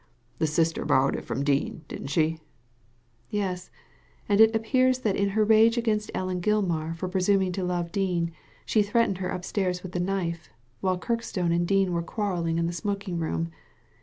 "The sister borrowed it from Dean, didn't she ?" "Yes ; and it appears that in her rage against Ellen Gilmar for presuming to love Dean, she threatened her upstairs with the knife, while Kirkstone and Dean were quarrelling in the smoking room.